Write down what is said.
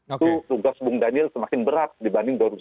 itu tugas bung daniel semakin berat dibanding dua ribu sembilan belas